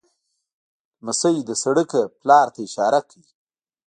لمسی له سړک نه پلار ته اشاره کوي.